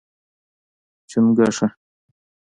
🐸 چنګوښه